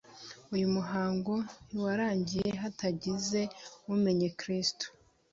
Uyu muhango ntiwarangiye hatagize umenya Kristo